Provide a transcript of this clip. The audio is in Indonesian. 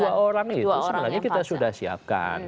dua orang itu sebenarnya kita sudah siapkan